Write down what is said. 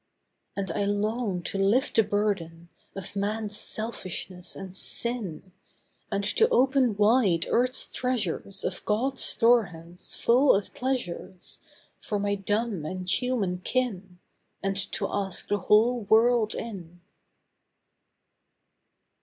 And I long to lift the burden Of man's selfishness and sin; And to open wide earth's treasures Of God's storehouse, full of pleasures, For my dumb and human kin, And to ask the whole world in.